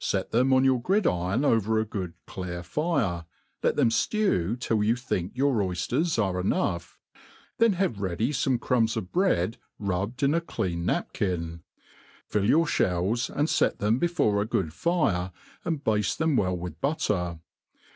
Set them on your gridiron over a good clear fire, let them flew till you think your oyflers are enough, then have ready feme crumbs of bread rubbed in a clean napkin,^ fill your Ihells, and fet them before a good fire, and bade them well with butter.